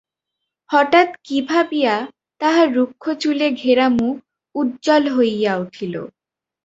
হঠাৎ কি ভাবিয়া তাহার রুক্ষ চুলে-ঘেরা মুখ উজ্জ্বল হইয়া উঠিল।